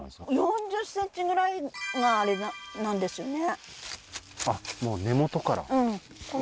４０ｃｍぐらいがあれなんですね